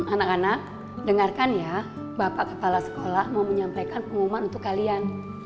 anak anak dengarkan ya bapak kepala sekolah mau menyampaikan pengumuman untuk kalian